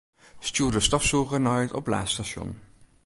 Stjoer de stofsûger nei it oplaadstasjon.